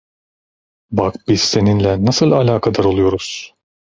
Bak Biz seninle nasıl alakadar oluyoruz.